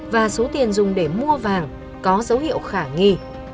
và số tiền dùng để mua vàng có dấu hiệu khả nghi